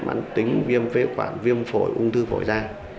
mãn tính viêm phế quản viêm phổi ung thư phổi da